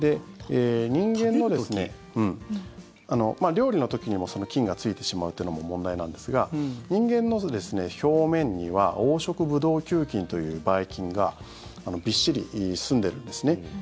料理の時にも菌がついてしまうというのも問題なんですが人間の表面には黄色ブドウ球菌というばい菌がびっしり、すんでいるんですね。